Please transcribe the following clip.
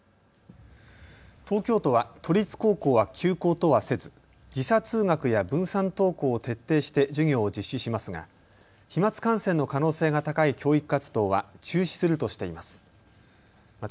東京都は都立高校は休校とはせず時差通学や分散登校を徹底して授業を実施しますが飛まつ感染の可能性が高い教育活動は中止するとしています。